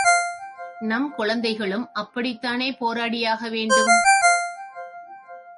நம் குழந்தைகளும் அப்படித்தானே போராடியாக வேண்டும்?